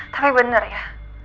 tapi bener ya